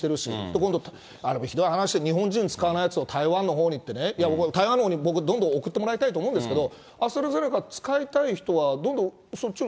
今度、あれもひどい話で、日本人、使わないやつを台湾のほうにってね、僕、台湾のほうに僕、どんどん送ってもらいたいと思うんですけど、アストラゼネカ使いたい人はどんどんそっちを。